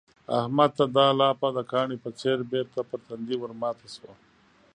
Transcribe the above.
احمد ته دا لاپه د کاني په څېر بېرته پر تندي ورماته شوه.